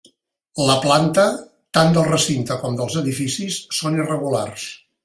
La planta, tant del recinte com dels edificis, són irregulars.